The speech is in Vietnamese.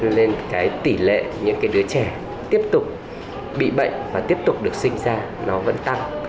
nên cái tỷ lệ những cái đứa trẻ tiếp tục bị bệnh và tiếp tục được sinh ra nó vẫn tăng